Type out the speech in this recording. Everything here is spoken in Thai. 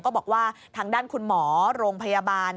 บอกว่าทางด้านคุณหมอโรงพยาบาล